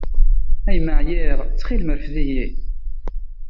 A yemma ɛyiɣ, ttxil-m rfed-iyi!